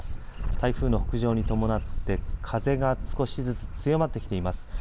台風の北上に伴って風が少しずつ強まってきています。